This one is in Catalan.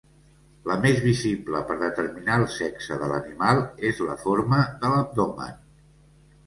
La més visible per determinar el sexe de l'animal és la forma de l'abdomen.